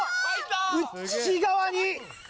内側に。